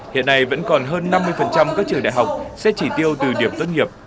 hiện nay vẫn còn hơn năm mươi các trường đại học xét chỉ tiêu từ điểm tốt nghiệp